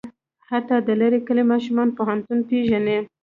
حتی د لرې کلي ماشوم پوهنتون پېژني.